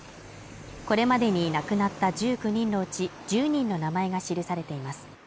これまでに亡くなった１９人のうち１０人の名前が記されています